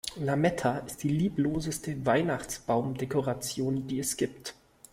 Lametta ist die liebloseste Weihnachtsbaumdekoration, die es gibt.